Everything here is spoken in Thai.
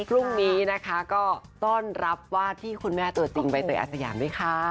พรุ่งนี้นะคะก็ต้อนรับวาดที่คุณแม่ตัวจริงใบเตยอาสยามด้วยค่ะ